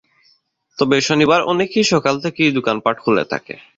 তবে শনিবার অনেকেই সকাল থেকেই দোকানপাট খুলে থাকে।